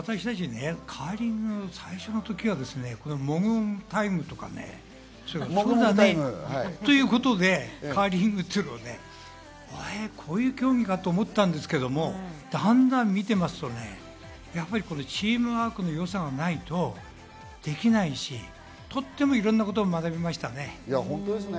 私たち、カーリング最初の時はもぐもぐタイムとかっていうことでカーリングっていうのをこういう競技かと思ったんですけれど、だんだん見てますと、チームワークの良さがないとできないし、とってもいろんなことを学びましたね。